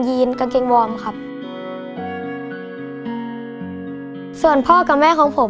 ส่วนพ่อกับแม่ของผม